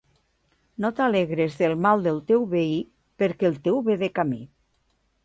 No t'alegres del mal del teu veí, perquè el teu ve de camí.